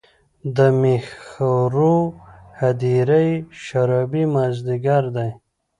د میخورو هـــــدیره یې شــــــرابي مــــاځیګری دی